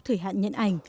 thời hạn nhận xét